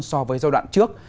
so với giai đoạn trước